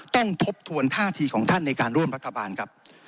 ทบทวนท่าทีของท่านในการร่วมรัฐบาลครับ